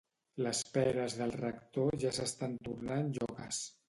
Les peres del rector ja s'estan tornant lloques